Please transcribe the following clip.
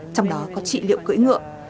trong đó có trị liệu cưỡi ngựa